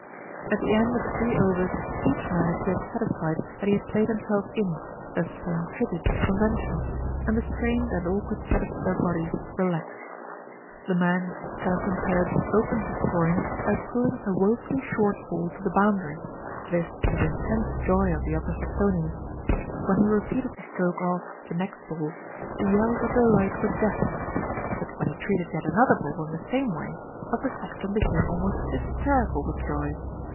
At the end of three overs, each man appeared satis fied that he had played himself in, thus paying tribute to convention, and the strained and awkward set of their bodies relaxed. The man with the skeleton pads opened the scoring 196 THE RETURN OF ALFRED by pulling a woefully short ball to the boundary, this to the intense joy of the Upper Saxtonians. When he repeated the stroke off the next ball, the yells of de light were deafening; but when he treated yet another ball in the same way, Upper Saxton became almost hysterical with joy.